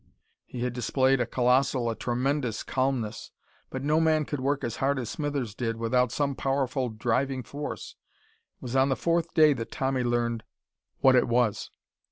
He had displayed a colossal, a tremendous calmness. But no man could work as hard as Smithers did without some powerful driving force. It was on the fourth day that Tommy learned what it was.